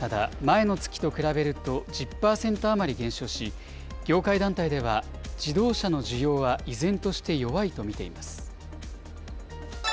ただ、前の月と比べると、１０％余り減少し、業界団体では、自動車の需要は依然として弱いと見ています。